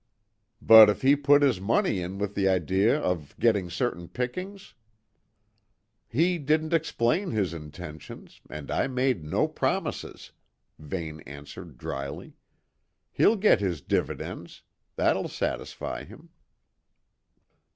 "But if he put his money in with the idea of getting certain pickings?" "He didn't explain his intentions, and I made no promises," Vane answered dryly. "He'll get his dividends; that'll satisfy him."